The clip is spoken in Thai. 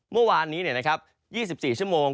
เมื่อวานนี้๒๔ชั่วโมง